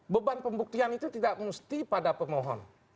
beban pembuktian itu tidak mesti pada pemohon